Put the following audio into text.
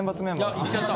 言っちゃった。